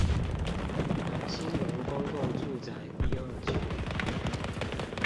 興隆公共住宅 D 二區